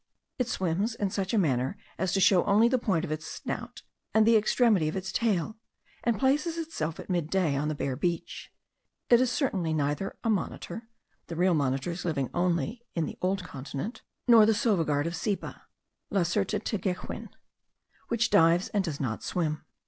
It swims in such a manner as to show only the point of its snout, and the extremity of its tail; and places itself at mid day on the bare beach. It is certainly neither a monitor (the real monitors living only in the old continent,) nor the sauvegarde of Seba (Lacerta teguixin,) which dives and does not swim.